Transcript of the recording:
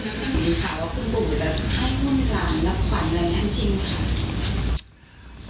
ว่าคุณปู่จะให้ห้มกลางนับขวัญอะไรทันจริงค่ะ